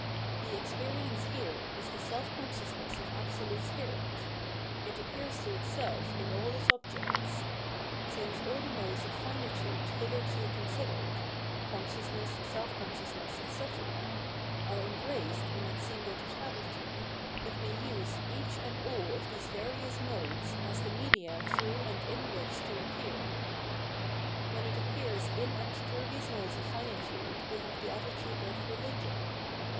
The experience here is the «ll consciousness of Absolute Spirit f it appears to itelf in all its object* Since all the modes of finitude hitherto considered (consciousness, self consciousness, etc.) are embraced in its single totality, it may use each and all of these various modes as the media through and in which to appear. 683 684 Phenomenology of Mind When it appears in and through these modes of iinitude we have the attitude of Religion.